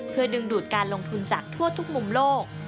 เพื่อดึงดูดการลงทุนจากทั่วทุกมุมโลก